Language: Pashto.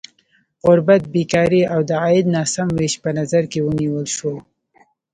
غربت، بېکاري او د عاید ناسم ویش په نظر کې ونیول شول.